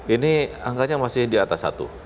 ini angkanya masih di atas satu